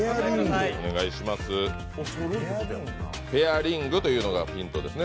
ペアリングというのがヒントですね。